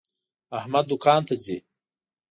احمد دوکان ته ځي.